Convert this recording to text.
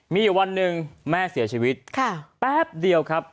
มีอยู่วันหนึ่งแม่เสียชีวิตแป๊บเดียวครับ